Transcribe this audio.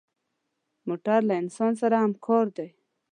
موټر له انسان سره همکار دی.